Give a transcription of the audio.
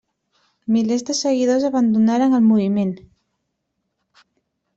Milers de seguidors abandonaren el moviment.